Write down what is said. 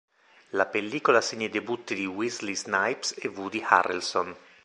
La pellicola segna i debutti di Wesley Snipes e Woody Harrelson.